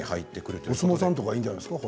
お相撲さんとかいいんじゃないですか？